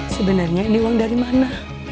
sebenarnya ini uang dari mana